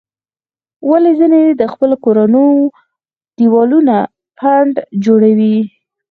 ولې ځینې د خپلو کورونو دیوالونه پنډ جوړوي؟